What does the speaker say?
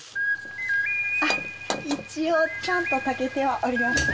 あっ一応ちゃんと炊けてはおりました。